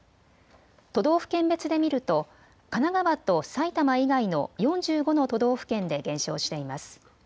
都道府県別で見ると神奈川と埼玉以外の４５の都道府県で減少しています。